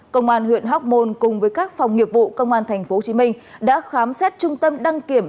công an huyện hóc môn cùng với các phòng nghiệp vụ công an tp hcm đã khám xét trung tâm đăng kiểm